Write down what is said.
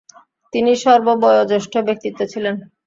তিনি সর্ববয়োঃজ্যেষ্ঠ ব্যক্তিত্ব ছিলেন।